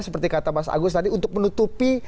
seperti kata mas agus tadi untuk menutupi